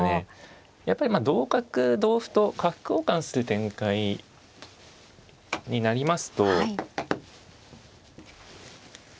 やっぱりまあ同角同歩と角交換する展開になりますと。